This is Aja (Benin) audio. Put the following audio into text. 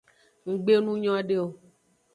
Nggbe nu nyode o.